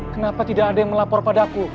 kenapa tidak ada yang melapor pada aku